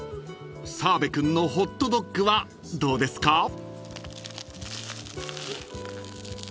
［澤部君のホットドッグはどうですか？］